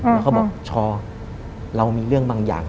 แล้วก็บอกชอเรามีเรื่องบางอย่าง